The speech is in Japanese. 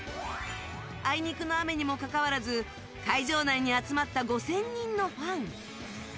あいにくの雨にもかかわらず会場内に集まった５０００人のファン。